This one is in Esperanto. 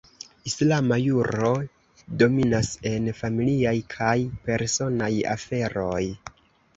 Islama juro dominas en familiaj kaj personaj aferoj.